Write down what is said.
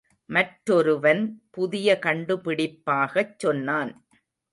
மற்றொருவன் புதிய கண்டுபிடிப்பாகச் சொன்னான்.